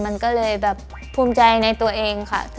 มันก็เลยแบบภูมิใจในตัวเองค่ะ